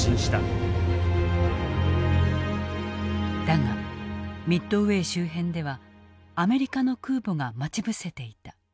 だがミッドウェー周辺ではアメリカの空母が待ち伏せていた。